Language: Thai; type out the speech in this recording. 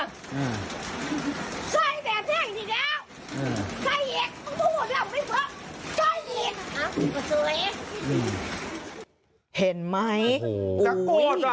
อ่าใช่แบบแห้งทีเดียวอืมใช่อีกต้องพูดว่าดอกไม่เฟาะใช่อีก